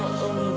wah enak banget